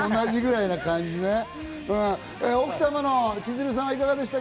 奥様の千鶴さんはいかがでしたか？